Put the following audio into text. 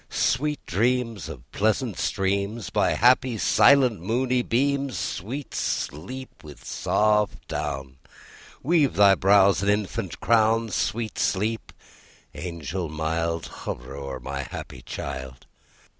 Sweet dreams of pleasant streams By happy, silent, moony beams! Sweet Sleep, with soft down Weave thy brows an infant crown! Sweet Sleep, angel mild, Hover o'er my happy child!